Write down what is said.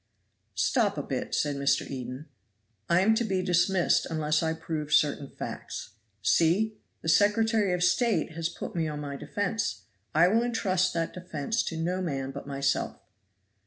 "Stop a bit," said Mr. Eden; "I am to be dismissed unless I prove certain facts. See! the Secretary of State has put me on my defense. I will intrust that defense to no man but myself."